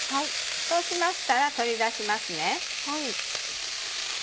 そうしましたら取り出しますね。